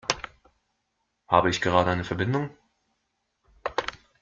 Habe ich gerade eine Verbindung?